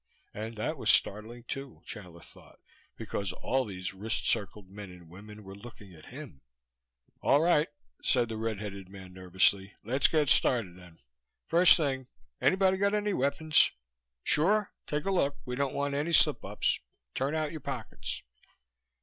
And that was startling too, Chandler thought, because all these wrist circled men and women were looking at him. "All right," said the red headed man nervously, "let's get started then. First thing, anybody got any weapons? Sure? Take a look we don't want any slipups. Turn out your pockets."